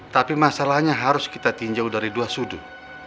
tapi masalahnya harus kita tinjau dari dua sudut